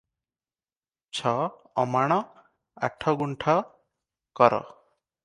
ଛ ଅମାଣ ଆଠଗୁଣ୍ଠ କ'ର?